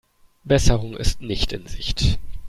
Besserung ist nicht in Sicht.